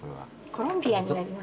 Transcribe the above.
コロンビアになります。